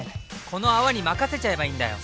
この泡に任せちゃえばいいんだよ！